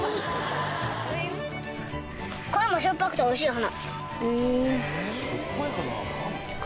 これも酸っぱくておいしい花。